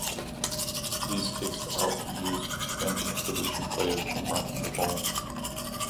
These kicks are often used to prevent an opposition player from marking the ball.